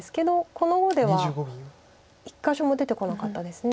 この碁では一か所も出てこなかったです。